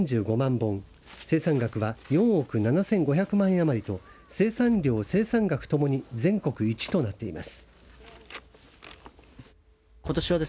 本生産額は４億７５００万円余りと生産量、生産額ともに全国一となっています。